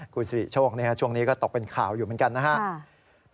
คุณสิริโชคช่วงนี้ก็ตกเป็นข่าวอยู่เหมือนกันนะครับ